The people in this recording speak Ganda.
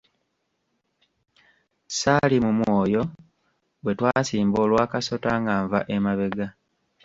Ssaalimu mwoyo bwe twasimba olwa kasota nga nva emabega.